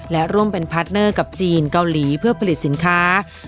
และร่วมเป็นพาร์ทเนอร์กับจีนเกาหลีเพื่อผลิตสินค้า